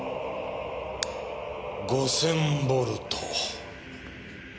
５０００ボルト。